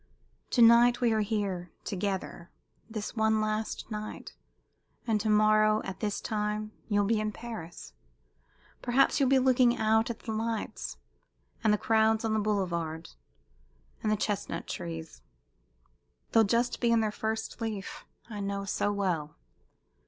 "To night we are here together this one last night! And to morrow, at this time, you'll be in Paris; perhaps you'll be looking out at the lights and the crowds on the Boulevard and the chestnut trees. They'll just be in their first leaf I know so well!